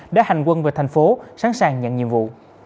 đã hành quân về thành phố sẵn sàng nhận nhiệm vụ